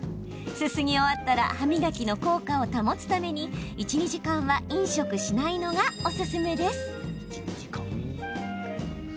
すすぎ終わったら歯磨きの効果を保つために１、２時間は飲食しないのがおすすめです。